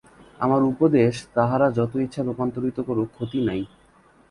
আমার উপদেশ তাহারা যত ইচ্ছা রূপান্তরিত করুক, ক্ষতি নাই।